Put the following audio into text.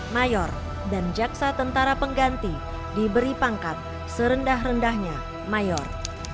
mayor dan jaksa tentara pengganti diberi pangkat serendah rendahnya mayor